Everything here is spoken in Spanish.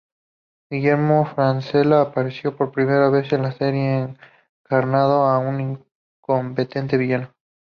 Guillermo Francella, apareció por primera vez en la serie encarnando a un incompetente villano.